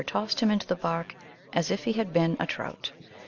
tossed him into the bark as if he had been a trout.